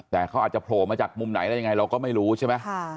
แต่เขาอาจจะโผล่มาจากมุมไหนได้ยังไงเราก็ไม่รู้ใช่ไหม